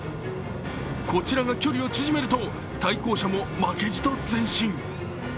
こちらが距離を縮めると対向車も負けじと前進。